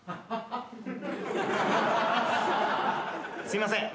すいません